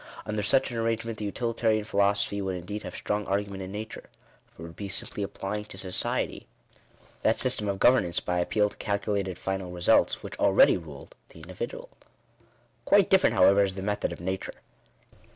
Under such Digitized by VjOOQIC INTKODUCTION. * 19 an arrangement the utilitarian philosophy would indeed Gave strong argument in nature ; for it would be simply applying to society, that system of governance by appeal to calculated final results, which already ruled the individual. Quite different, however, is the method of nature.